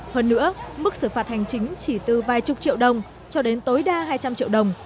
hơn nữa mức xử phạt hành chính chỉ từ vài chục triệu đồng cho đến tối đa hai trăm linh triệu đồng